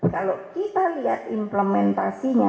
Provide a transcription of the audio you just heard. kalau kita lihat implementasinya